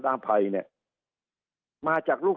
สุดท้ายก็ต้านไม่อยู่